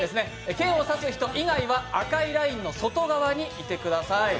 剣を刺す人以外は赤いラインの外側にいてください。